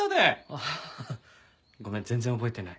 ああごめん全然覚えてない。